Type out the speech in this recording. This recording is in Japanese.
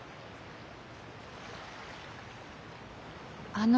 あの。